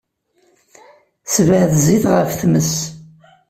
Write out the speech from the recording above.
Sebɛed zzit ɣef tmes.